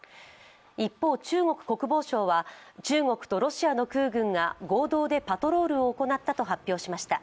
一方、中国国防相は中国とロシアの空軍が合同でパトロールを行ったと発表しました。